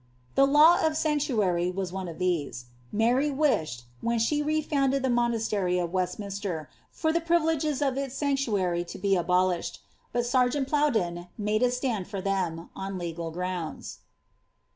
The law of sanctuary was one of these. Mary wished, when she re founded the monastery of Westminster, for the privileges of its sanctuary to be abolished ; but sergeant Plowden made a stand for them, on legal grounds.